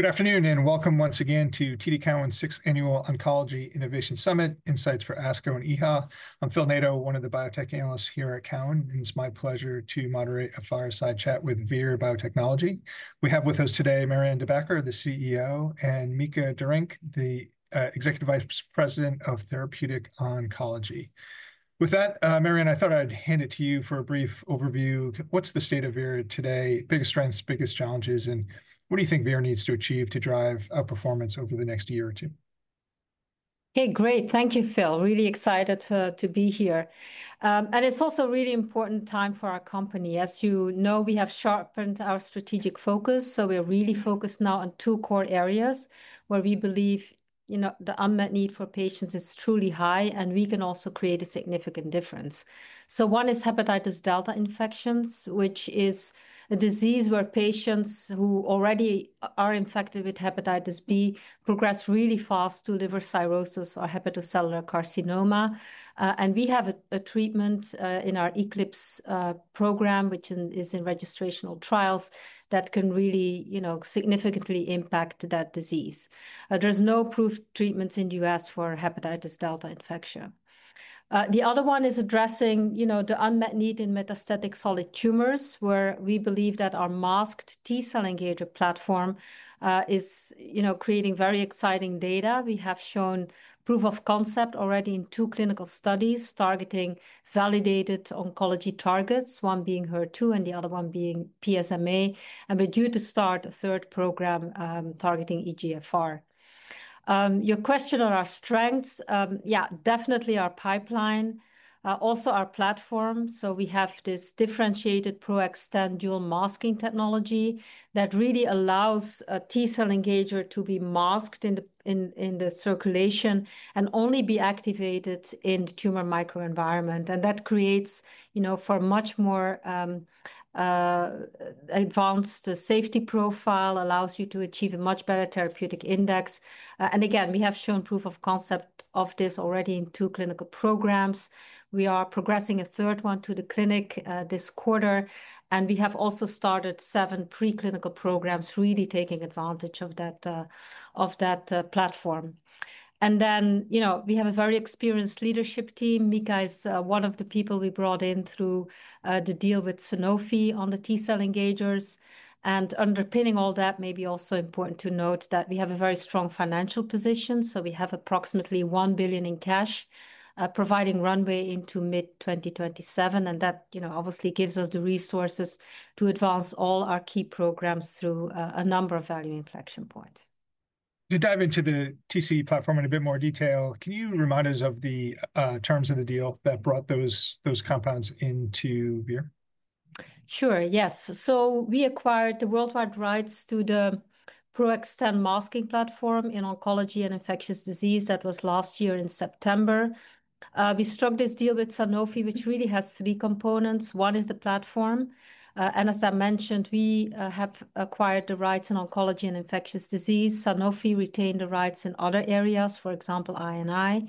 Good afternoon, and welcome once again to TD Cowen's sixth annual Oncology Innovation Summit: Insights for ASCO and EHA. I'm Phil Nadeau, one of the biotech analysts here at Cowen, and it's my pleasure to moderate a fireside chat with Vir Biotechnology. We have with us today Marianne De Backer, the CEO, and Mika Derynck, the Executive Vice President of Therapeutic Oncology. With that, Marianne, I thought I'd hand it to you for a brief overview. What's the state of Vir today? Biggest strengths, biggest challenges, and what do you think Vir needs to achieve to drive outperformance over the next year or two? Hey, great. Thank you, Phil. Really excited to be here. It is also a really important time for our company. As you know, we have sharpened our strategic focus. We are really focused now on two core areas where we believe, you know, the unmet need for patients is truly high, and we can also create a significant difference. One is hepatitis delta infections, which is a disease where patients who already are infected with hepatitis B progress really fast to liver cirrhosis or hepatocellular carcinoma. We have a treatment in our ECLIPSE program, which is in registrational trials, that can really, you know, significantly impact that disease. There are no approved treatments in the U.S. for hepatitis delta infection. The other one is addressing, you know, the unmet need in metastatic solid tumors, where we believe that our masked T cell engager platform is, you know, creating very exciting data. We have shown proof of concept already in two clinical studies targeting validated oncology targets, one being HER2 and the other one being PSMA, and we're due to start a third program targeting EGFR. Your question on our strengths, yeah, definitely our pipeline, also our platform. We have this differentiated PRO-XTEN dual masking technology that really allows a T cell engager to be masked in the circulation and only be activated in the tumor microenvironment. That creates, you know, for a much more advanced safety profile, allows you to achieve a much better therapeutic index. Again, we have shown proof of concept of this already in two clinical programs. We are progressing a third one to the clinic this quarter, and we have also started seven preclinical programs really taking advantage of that platform. And then, you know, we have a very experienced leadership team. Mika is one of the people we brought in through the deal with Sanofi on the T cell engagers. Underpinning all that, maybe also important to note that we have a very strong financial position. We have approximately $1 billion in cash, providing runway into mid-2027. That, you know, obviously gives us the resources to advance all our key programs through a number of value inflection points. To dive into the TCE platform in a bit more detail, can you remind us of the terms of the deal that brought those compounds into Vir? Sure, yes. We acquired the worldwide rights to the PRO-XTEN masking platform in oncology and infectious disease. That was last year in September. We struck this deal with Sanofi, which really has three components. One is the platform. As I mentioned, we have acquired the rights in oncology and infectious disease. Sanofi retained the rights in other areas, for example, INI.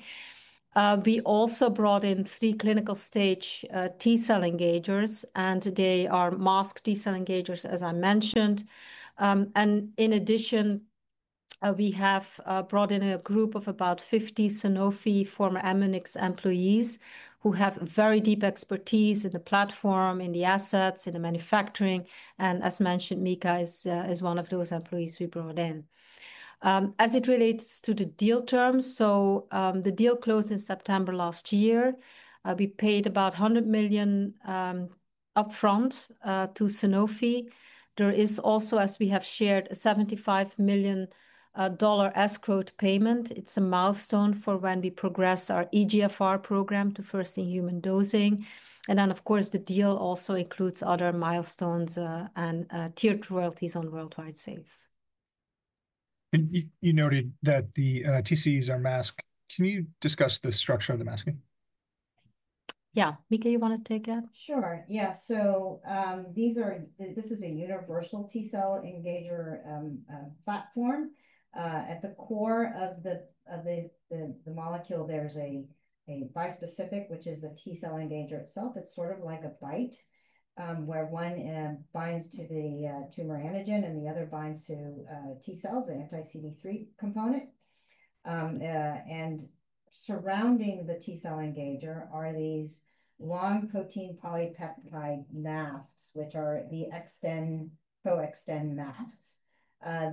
We also brought in three clinical stage T cell engagers, and they are masked T cell engagers, as I mentioned. In addition, we have brought in a group of about 50 Sanofi former Amunix employees who have very deep expertise in the platform, in the assets, in the manufacturing. As mentioned, Mika is one of those employees we brought in. As it relates to the deal terms, the deal closed in September last year. We paid about $100 million upfront to Sanofi. There is also, as we have shared, a $75 million escrow payment. It is a milestone for when we progress our EGFR program to first in human dosing. The deal also includes other milestones and tiered royalties on worldwide sales. You noted that the TCEs are masked. Can you discuss the structure of the masking? Yeah, Mika, you want to take that? Sure. Yeah. So these are, this is a universal T cell engager platform. At the core of the molecule, there's a bispecific, which is the T cell engager itself. It's sort of like a BiTE where one binds to the tumor antigen and the other binds to T cells, the anti-CD3 component. Surrounding the T cell engager are these long protein polypeptide masks, which are the PRO-XTEN masks.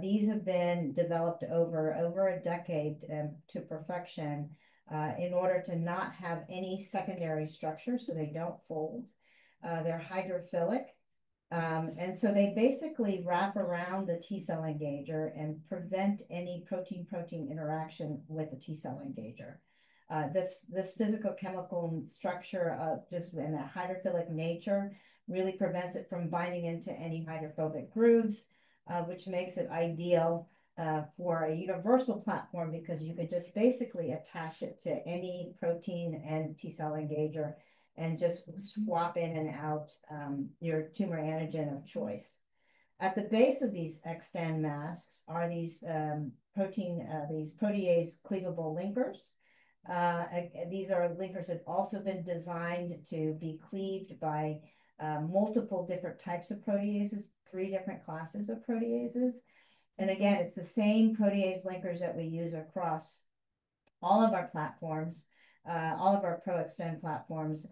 These have been developed over a decade to perfection in order to not have any secondary structure, so they don't fold. They're hydrophilic. They basically wrap around the T cell engager and prevent any protein-protein interaction with the T cell engager. This physicochemical structure, just in that hydrophilic nature, really prevents it from binding into any hydrophobic grooves, which makes it ideal for a universal platform because you could just basically attach it to any protein and T cell engager and just swap in and out your tumor antigen of choice. At the base of these X10 masks are these protease-cleavable linkers. These are linkers that have also been designed to be cleaved by multiple different types of proteases, three different classes of proteases. Again, it's the same protease linkers that we use across all of our platforms, all of our PRO-XTEN platforms.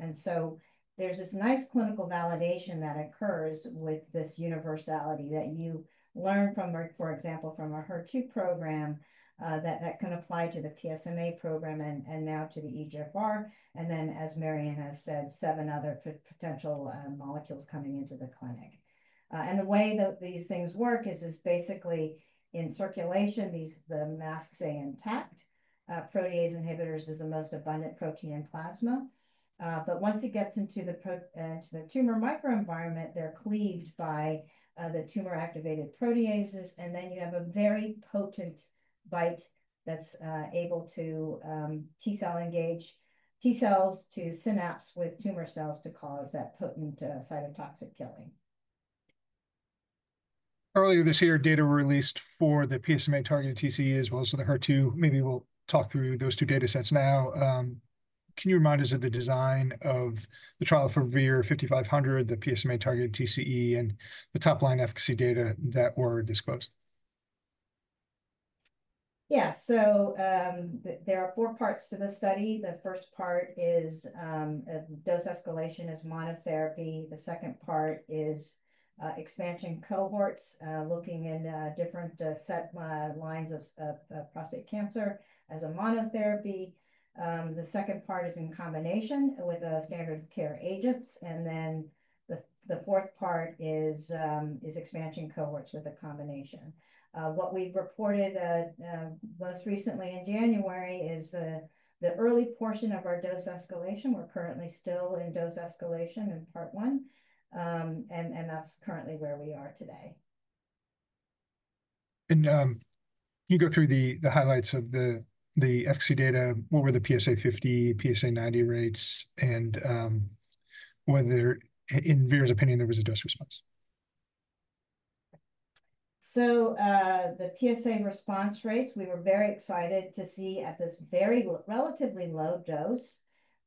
There is this nice clinical validation that occurs with this universality that you learn from, for example, from our HER2 program that can apply to the PSMA program and now to the EGFR. As Marianne has said, seven other potential molecules coming into the clinic. The way that these things work is basically in circulation, the masks stay intact. Protease inhibitors is the most abundant protein in plasma. Once it gets into the tumor microenvironment, they are cleaved by the tumor-activated proteases. You have a very potent bite that is able to T cell engage T cells to synapse with tumor cells to cause that potent cytotoxic killing. Earlier this year, data were released for the PSMA targeted T cell engager as well as the HER2. Maybe we'll talk through those two data sets now. Can you remind us of the design of the trial for VIR-5500, the PSMA targeted T cell engager, and the top line efficacy data that were disclosed? Yeah. There are four parts to the study. The first part is dose escalation as monotherapy. The second part is expansion cohorts looking in different set lines of prostate cancer as a monotherapy. The second part is in combination with standard of care agents. The fourth part is expansion cohorts with a combination. What we've reported most recently in January is the early portion of our dose escalation. We're currently still in dose escalation in part one. That's currently where we are today. Can you go through the highlights of the efficacy data? What were the PSA 50, PSA 90 rates, and whether in Vir's opinion, there was a dose response? The PSA response rates, we were very excited to see at this very relatively low dose,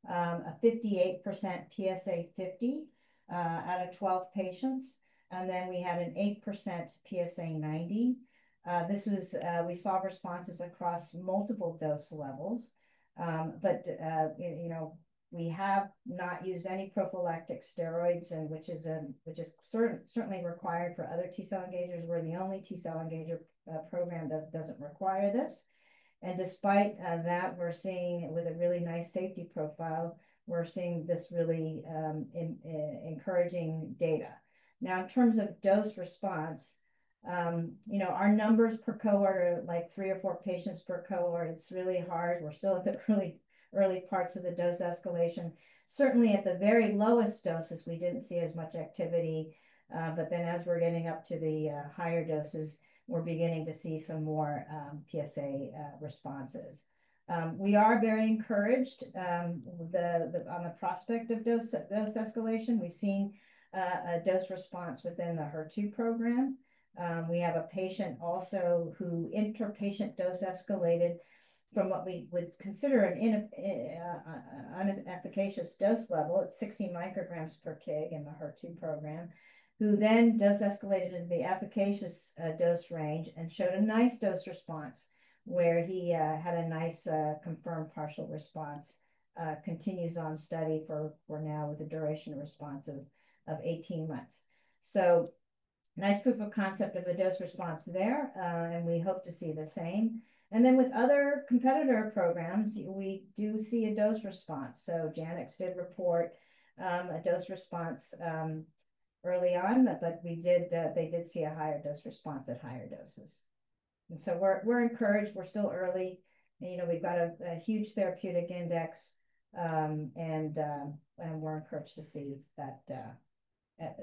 a 58% PSA 50 out of 12 patients. We had an 8% PSA 90. This was, we saw responses across multiple dose levels. You know, we have not used any prophylactic steroids, which is certainly required for other T cell engagers. We are the only T cell engager program that does not require this. Despite that, we are seeing with a really nice safety profile, we are seeing this really encouraging data. Now, in terms of dose response, you know, our numbers per cohort are like three or four patients per cohort. It is really hard. We are still at the really early parts of the dose escalation. Certainly, at the very lowest doses, we did not see as much activity. As we're getting up to the higher doses, we're beginning to see some more PSA responses. We are very encouraged on the prospect of dose escalation. We've seen a dose response within the HER2 program. We have a patient also who interpatient dose escalated from what we would consider an inefficacious dose level at 60 micrograms per kg in the HER2 program, who then dose escalated into the efficacious dose range and showed a nice dose response where he had a nice confirmed partial response. Continues on study for now with a duration of response of 18 months. Nice proof of concept of a dose response there, and we hope to see the same. With other competitor programs, we do see a dose response. Janssen did report a dose response early on, but they did see a higher dose response at higher doses. We're encouraged. We're still early. You know, we've got a huge therapeutic index, and we're encouraged to see that at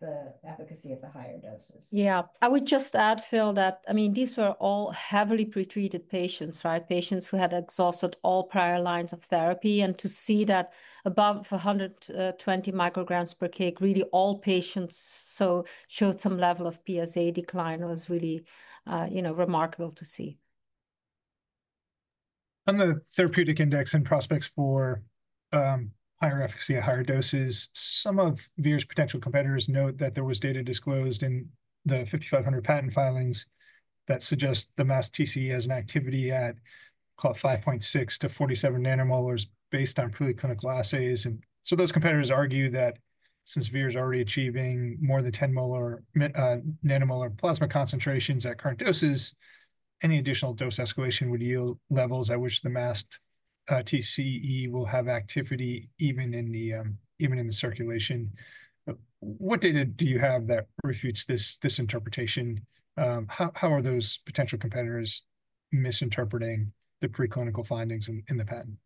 the efficacy of the higher doses. Yeah. I would just add, Phil, that, I mean, these were all heavily pretreated patients, right? Patients who had exhausted all prior lines of therapy. To see that above 120 micrograms per kg, really all patients showed some level of PSA decline was really, you know, remarkable to see. On the therapeutic index and prospects for higher efficacy at higher doses, some of Vir's potential competitors note that there was data disclosed in the 5500 patent filings that suggests the masked T cell engager has an activity at 5.6-47 nanomolars based on preclinical assays. Those competitors argue that since Vir's already achieving more than 10 nanomolar plasma concentrations at current doses, any additional dose escalation would yield levels at which the masked T cell engager will have activity even in the circulation. What data do you have that refutes this interpretation? How are those potential competitors misinterpreting the preclinical findings in the patent?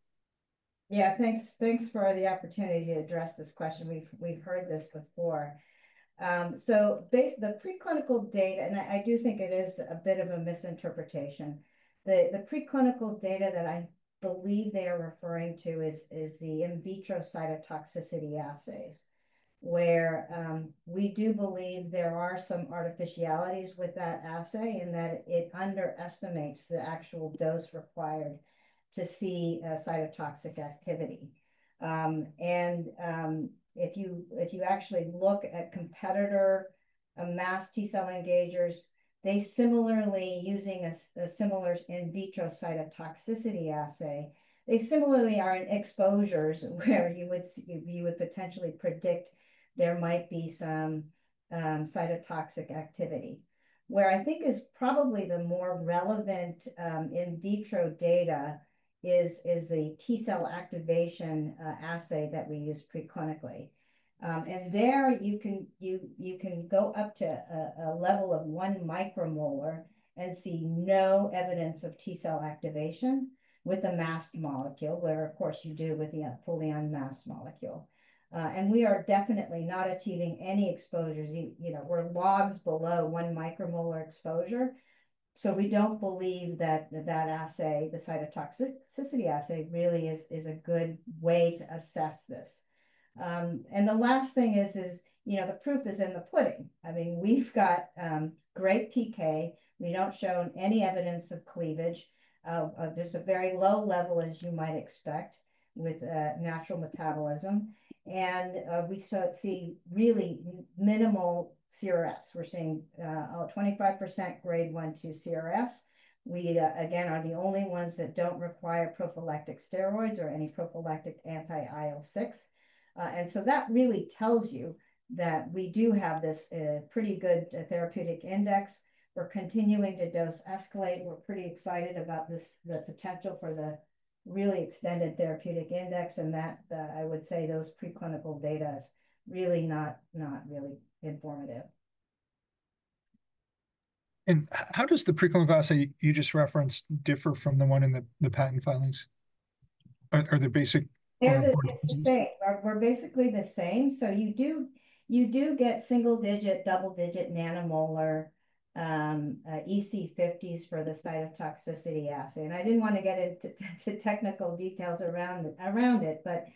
Yeah, thanks for the opportunity to address this question. We've heard this before. The preclinical data, and I do think it is a bit of a misinterpretation. The preclinical data that I believe they are referring to is the in vitro cytotoxicity assays, where we do believe there are some artificialities with that assay in that it underestimates the actual dose required to see cytotoxic activity. If you actually look at competitor masked T cell engagers, they similarly, using a similar in vitro cytotoxicity assay, are in exposures where you would potentially predict there might be some cytotoxic activity. Where I think is probably the more relevant in vitro data is the T cell activation assay that we use preclinically. There you can go up to a level of 1 micromolar and see no evidence of T cell activation with a masked molecule, where, of course, you do with the fully unmasked molecule. We are definitely not achieving any exposures. You know, we're logs below 1 micromolar exposure. We don't believe that that assay, the cytotoxicity assay, really is a good way to assess this. The last thing is, you know, the proof is in the pudding. I mean, we've got great PK. We don't show any evidence of cleavage. There's a very low level, as you might expect, with natural metabolism. We see really minimal CRS. We're seeing 25% grade 1-2 CRS. We, again, are the only ones that don't require prophylactic steroids or any prophylactic anti-IL-6. That really tells you that we do have this pretty good therapeutic index. We're continuing to dose escalate. We're pretty excited about the potential for the really extended therapeutic index. That, I would say, those preclinical data is really not really informative. How does the preclinical assay you just referenced differ from the one in the patent filings? Are there basic? It's the same. We're basically the same. You do get single digit, double digit nanomolar EC50s for the cytotoxicity assay. I didn't want to get into technical details around it, but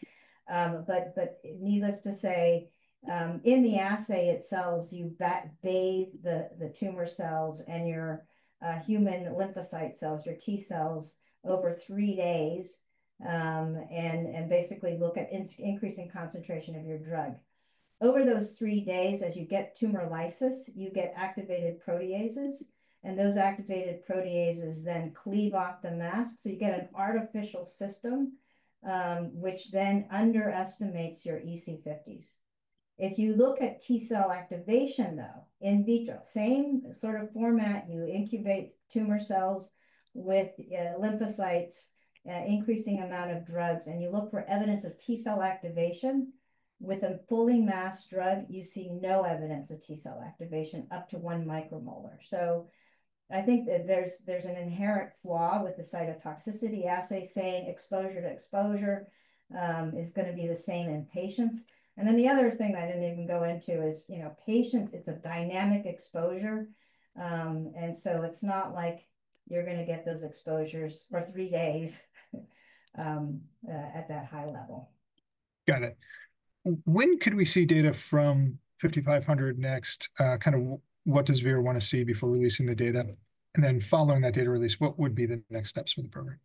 needless to say, in the assay itself, you bathe the tumor cells and your human lymphocyte cells, your T cells over three days and basically look at increasing concentration of your drug. Over those three days, as you get tumor lysis, you get activated proteases. Those activated proteases then cleave off the mask. You get an artificial system, which then underestimates your EC50s. If you look at T cell activation, though, in vitro, same sort of format, you incubate tumor cells with lymphocytes, increasing amount of drugs, and you look for evidence of T cell activation. With a fully masked drug, you see no evidence of T cell activation up to one micromolar. I think that there's an inherent flaw with the cytotoxicity assay saying exposure to exposure is going to be the same in patients. The other thing I did not even go into is, you know, patients, it's a dynamic exposure. It is not like you're going to get those exposures for three days at that high level. Got it. When could we see data from 5500 next? Kind of what does Vir want to see before releasing the data? Following that data release, what would be the next steps for the program?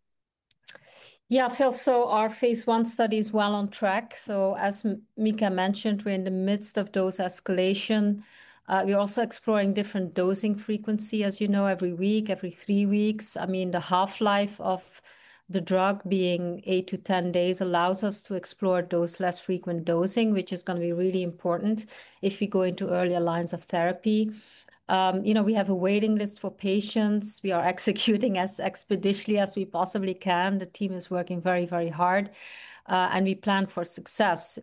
Yeah, Phil, so our phase I study is well on track. As Mika mentioned, we're in the midst of dose escalation. We're also exploring different dosing frequency, as you know, every week, every three weeks. I mean, the half-life of the drug being 8-10 days allows us to explore less frequent dosing, which is going to be really important if we go into earlier lines of therapy. You know, we have a waiting list for patients. We are executing as expeditiously as we possibly can. The team is working very, very hard. We plan for success.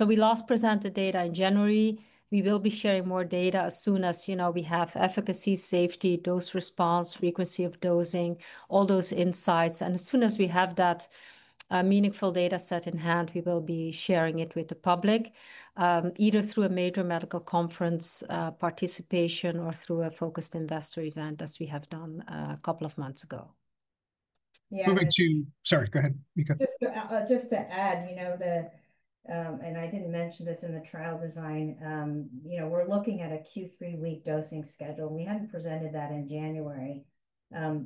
We last presented data in January. We will be sharing more data as soon as, you know, we have efficacy, safety, dose response, frequency of dosing, all those insights. As soon as we have that meaningful data set in hand, we will be sharing it with the public, either through a major medical conference participation or through a focused investor event, as we have done a couple of months ago. Sorry, go ahead, Mika. Just to add, you know, and I didn't mention this in the trial design, you know, we're looking at a Q3 week dosing schedule. We hadn't presented that in January.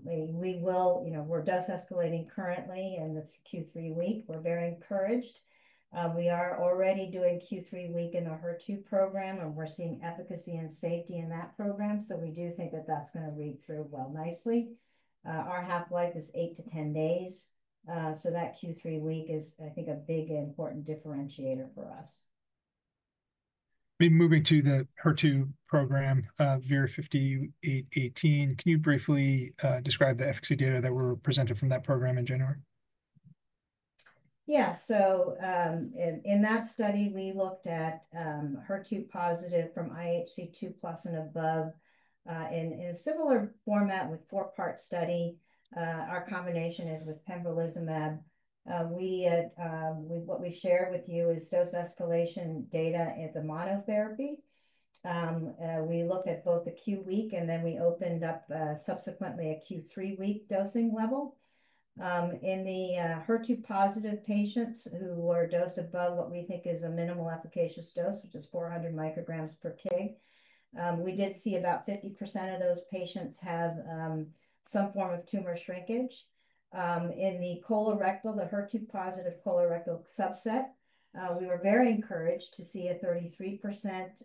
We will, you know, we're dose escalating currently in this Q3 week. We're very encouraged. We are already doing Q3 week in the HER2 program, and we're seeing efficacy and safety in that program. We do think that that's going to read through well nicely. Our half-life is 8-10 days. That Q3 week is, I think, a big important differentiator for us. Moving to the HER2 program, VIR-5818, can you briefly describe the efficacy data that were presented from that program in January? Yeah. In that study, we looked at HER2 positive from IHC2+ and above in a similar format with a four-part study. Our combination is with pembrolizumab. What we share with you is dose escalation data at the monotherapy. We looked at both the Q week, and then we opened up subsequently a Q3 week dosing level. In the HER2 positive patients who were dosed above what we think is a minimal efficacious dose, which is 400 micrograms per kg, we did see about 50% of those patients have some form of tumor shrinkage. In the colorectal, the HER2 positive colorectal subset, we were very encouraged to see a 33%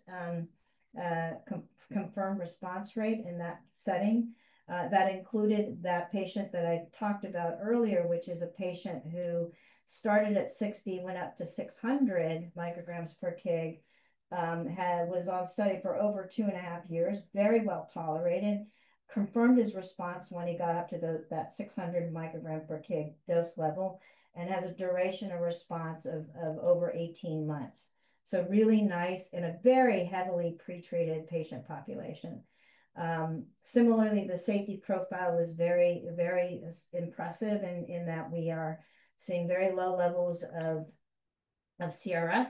confirmed response rate in that setting. That included that patient that I talked about earlier, which is a patient who started at 60, went up to 600 micrograms per kg, was on study for over two and a half years, very well tolerated, confirmed his response when he got up to that 600 microgram per kg dose level, and has a duration of response of over 18 months. Really nice in a very heavily pretreated patient population. Similarly, the safety profile was very, very impressive in that we are seeing very low levels of CRS.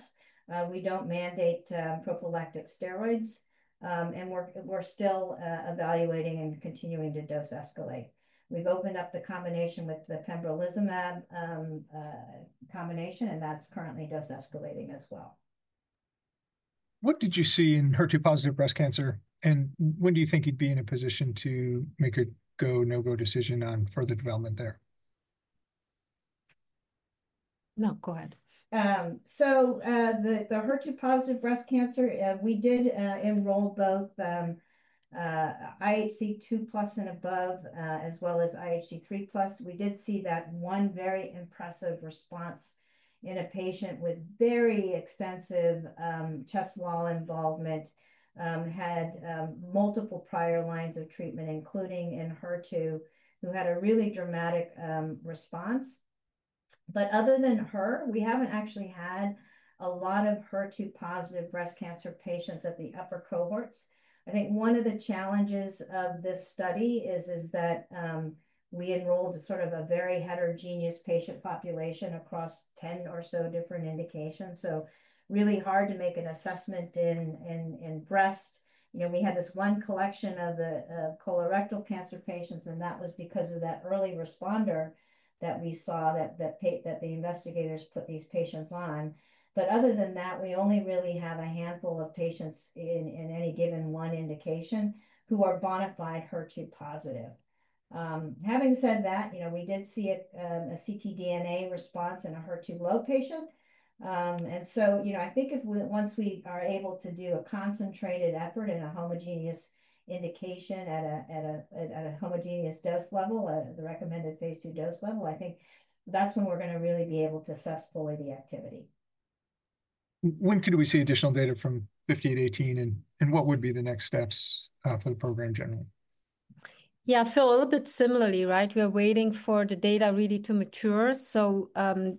We do not mandate prophylactic steroids. We are still evaluating and continuing to dose escalate. We have opened up the combination with the pembrolizumab combination, and that is currently dose escalating as well. What did you see in HER2 positive breast cancer, and when do you think you'd be in a position to make a go/no-go decision on further development there? No, go ahead. The HER2 positive breast cancer, we did enroll both IHC2+ and above, as well as IHC3+. We did see that one very impressive response in a patient with very extensive chest wall involvement, had multiple prior lines of treatment, including in HER2, who had a really dramatic response. Other than her, we have not actually had a lot of HER2 positive breast cancer patients at the upper cohorts. I think one of the challenges of this study is that we enrolled sort of a very heterogeneous patient population across 10 or so different indications. Really hard to make an assessment in breast. You know, we had this one collection of the colorectal cancer patients, and that was because of that early responder that we saw that the investigators put these patients on. Other than that, we only really have a handful of patients in any given one indication who are bona fide HER2 positive. Having said that, you know, we did see a CT DNA response in a HER2 low patient. And so, you know, I think if once we are able to do a concentrated effort and a homogeneous indication at a homogeneous dose level, the recommended phase II dose level, I think that's when we're going to really be able to assess fully the activity. When could we see additional data from 5818, and what would be the next steps for the program generally? Yeah, Phil, a little bit similarly, right? We are waiting for the data really to mature. So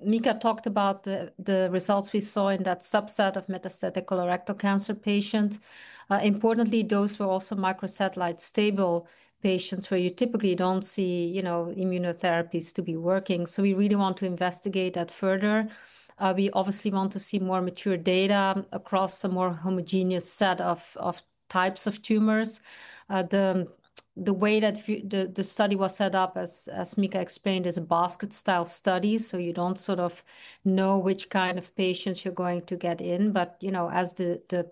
Mika talked about the results we saw in that subset of metastatic colorectal cancer patients. Importantly, those were also microsatellite stable patients where you typically don't see, you know, immunotherapies to be working. We really want to investigate that further. We obviously want to see more mature data across a more homogeneous set of types of tumors. The way that the study was set up, as Mika explained, is a basket-style study. You don't sort of know which kind of patients you're going to get in. You know, as the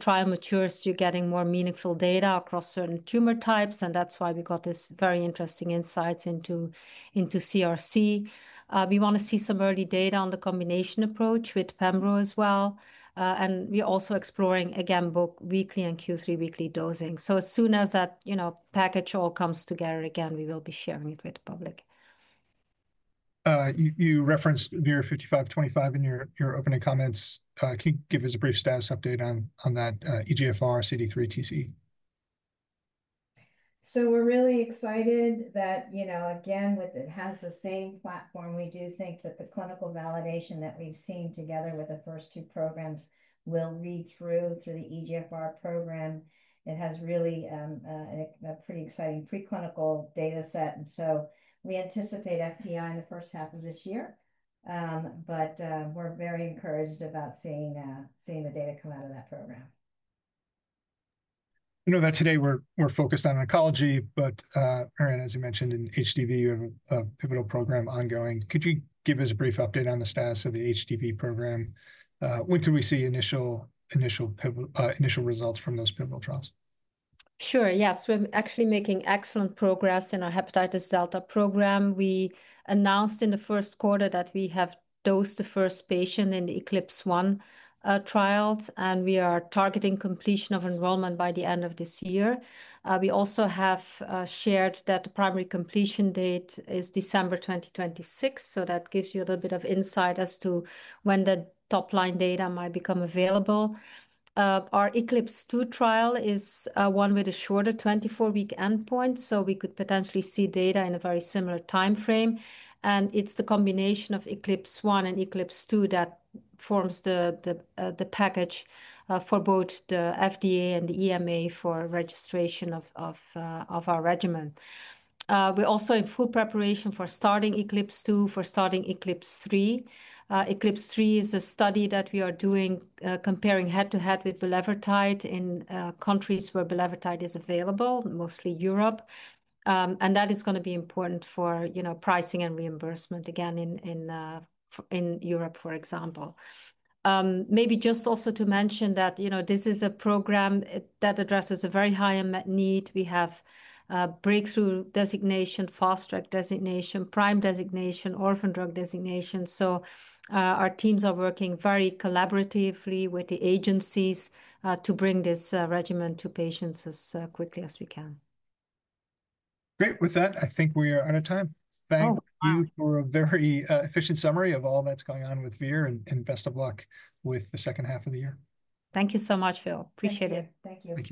trial matures, you're getting more meaningful data across certain tumor types. That's why we got this very interesting insights into CRC. We want to see some early data on the combination approach with Pembro as well. We're also exploring, again, both weekly and Q3 weekly dosing. As soon as that, you know, package all comes together again, we will be sharing it with the public. You referenced VIR-5525 in your opening comments. Can you give us a brief status update on that EGFR CD3 T cell engager? We're really excited that, you know, again, it has the same platform. We do think that the clinical validation that we've seen together with the first two programs will read through the EGFR program. It has really a pretty exciting preclinical data set. We anticipate FPI in the first half of this year. We're very encouraged about seeing the data come out of that program. I know that today we're focused on oncology, but Marianne, as you mentioned, in HDV, you have a pivotal program ongoing. Could you give us a brief update on the status of the HDV program? When could we see initial results from those pivotal trials? Sure. Yes. We're actually making excellent progress in our hepatitis delta program. We announced in the first quarter that we have dosed the first patient in the ECLIPSE 1 trials, and we are targeting completion of enrollment by the end of this year. We also have shared that the primary completion date is December 2026. That gives you a little bit of insight as to when the top line data might become available. Our ECLIPSE 2 trial is one with a shorter 24-week endpoint. We could potentially see data in a very similar time frame. It is the combination of ECLIPSE 1 and ECLIPSE 2 that forms the package for both the FDA and the EMA for registration of our regimen. We're also in full preparation for starting ECLIPSE 2, for starting ECLIPSE 3. ECLIPSE 3 is a study that we are doing comparing head-to-head with bulevirtide in countries where bulevirtide is available, mostly Europe. That is going to be important for, you know, pricing and reimbursement, again, in Europe, for example. Maybe just also to mention that, you know, this is a program that addresses a very high need. We have breakthrough designation, fast track designation, prime designation, orphan drug designation. Our teams are working very collaboratively with the agencies to bring this regimen to patients as quickly as we can. Great. With that, I think we are out of time. Thank you for a very efficient summary of all that's going on with Vir, and best of luck with the second half of the year. Thank you so much, Phil. Appreciate it. Thank you.